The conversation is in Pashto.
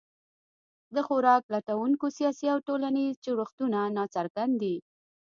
د خوراک لټونکو سیاسي او ټولنیز جوړښتونه ناڅرګند دي.